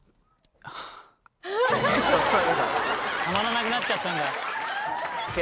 たまらなくなっちゃったんだ。